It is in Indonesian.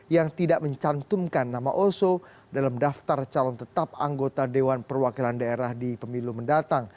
yang tidak mencantumkan nama oso dalam daftar calon tetap anggota dewan perwakilan daerah di pemilu mendatang